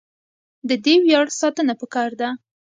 د دې ویاړ ساتنه پکار ده.